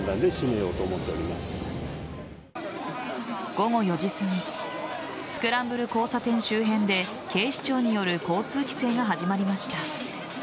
午後４時すぎスクランブル交差点周辺で警視庁による交通規制が始まりました。